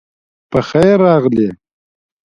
پخير راغلې